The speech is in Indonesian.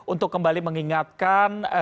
untuk kembali mengingatkan